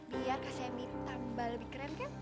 biar kak semi tambah lebih keren kan